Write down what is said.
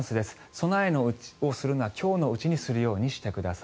備えをするなら今日のうちにするようにしてください。